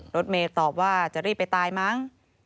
รถเมย์ตอบว่าจะรีบไปตายมั้ง